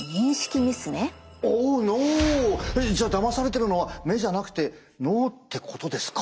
オーノー！じゃあだまされてるのは目じゃなくて脳ってことですか？